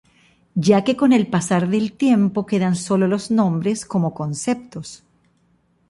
Ya que con el pasar del tiempo quedan solo los nombres como conceptos.